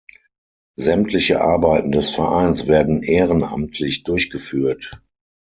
Sämtliche Arbeiten des Vereins werden ehrenamtlich durchgeführt.